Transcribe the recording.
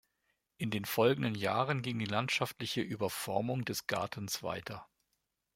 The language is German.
In den folgenden Jahren ging die landschaftliche Überformung des Gartens weiter.